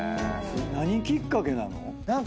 何きっかけなの？